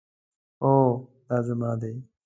هو، دا زما دی